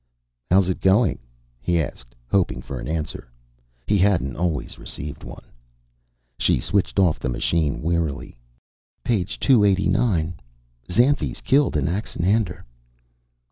"How's it going?" he asked, hoping for an answer. He hadn't always received one. She switched off the machine wearily. "Page two eighty nine. Xanthes killed Anaxander."